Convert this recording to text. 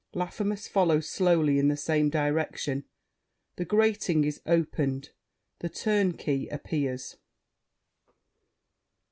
Laffemas follows slowly in the same direction. The grating is opened; The Turnkey appears.